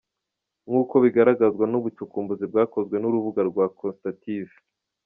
Nk’uko bigaragazwa n’ubucukumbuzi bwakozwe n’urubuga rwa Constative.